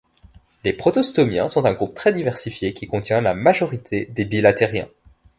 Les protostomiens sont un groupe très diversifié qui contient la majorité des bilateriens.